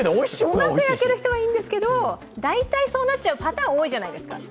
うまく焼ける人はいいですけど、大体そうなっちゃうパターンが多いじゃないですか。